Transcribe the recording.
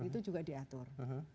itu juga diatur